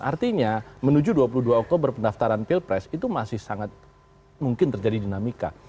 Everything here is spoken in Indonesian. artinya menuju dua puluh dua oktober pendaftaran pilpres itu masih sangat mungkin terjadi dinamika